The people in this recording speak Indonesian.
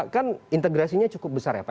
kan integrasinya cukup besar ya pak